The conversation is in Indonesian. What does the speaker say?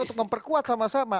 untuk memperkuat sama sama